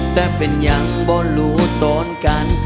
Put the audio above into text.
แต่เป็นยังบ่รู้ตอนกัน